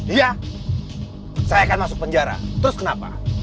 iya saya akan masuk penjara terus kenapa